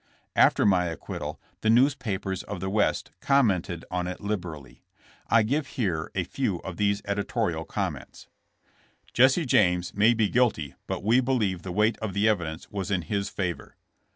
After my acquittal the newspapers of the West commented on it liberally. I give here a few of these editorial comments : ''Jesse James may be guilty, but we believe the weight of the evidence was in his favor."